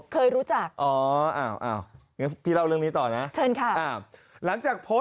เคยรู้จักอ๋อพี่เล่าเรื่องนี้ต่อนะ